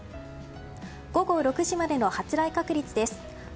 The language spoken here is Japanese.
午後６時までの発雷確率です。